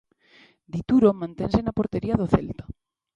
Dituro mantense na portería do Celta.